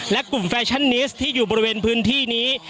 และกลุ่มแฟชั่นนิสที่อยู่บริเวณพื้นที่นี้